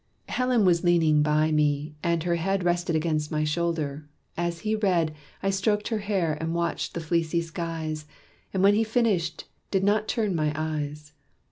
Helen was leaning by me, and her head Rested against my shoulder: as he read, I stroked her hair, and watched the fleecy skies, And when he finished, did not turn my eyes.